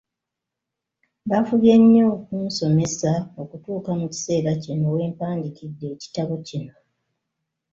Bafubye ennyo okunsomesa okutuuka mu kiseera kino we mpandiikidde ekitabo kino.